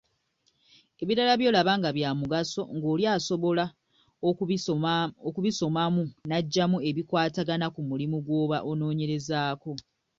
Ebirala byolaba nga bya mugaso, ng'oli asobola okubisomamu naggyamu ebikwatagana ku mulimu gwoba onoonyerezaako.